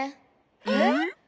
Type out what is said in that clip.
えっ？